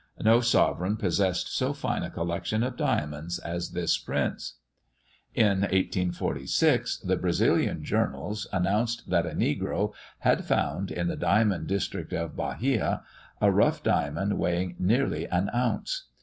No sovereign possessed so fine a collection of diamonds as this prince. In 1846, the Brazilian journals announced that a negro had found, in the diamond district of Bahia, a rough diamond weighing nearly an ounce.